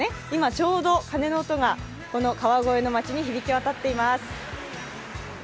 今ちょうど鐘の音が川越の街に響きわたっています。